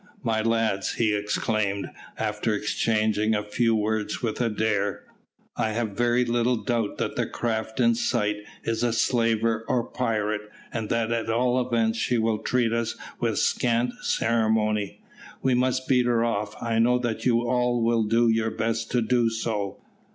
"My lads," he exclaimed, after exchanging a few words with Adair, "I have very little doubt that the craft in sight is a slaver or pirate, and that at all events she will treat us with scant ceremony. We must beat her off. I know that you all will do your best to do so."